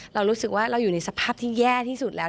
เรารู้สึกว่าเราอยู่ในสภาพที่แย่ที่สุดแล้ว